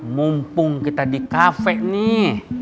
mumpung kita di kafe nih